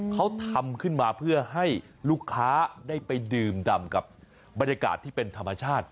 เขาทำขึ้นมาเพื่อให้ลูกค้าได้ไปดื่มดำกับบรรยากาศที่เป็นธรรมชาติ